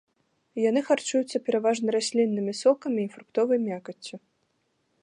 Яны харчуюцца пераважна расліннымі сокамі і фруктовай мякаццю.